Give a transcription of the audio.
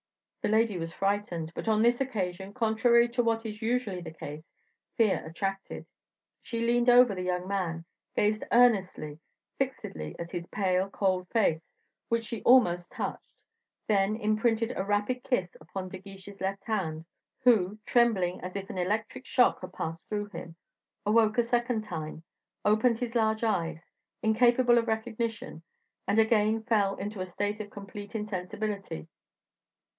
The lady was frightened; but on this occasion, contrary to what is usually the case, fear attracted. She leaned over the young man, gazed earnestly, fixedly at his pale, cold face, which she almost touched, then imprinted a rapid kiss upon De Guiche's left hand, who, trembling as if an electric shock had passed through him, awoke a second time, opened his large eyes, incapable of recognition, and again fell into a state of complete insensibility.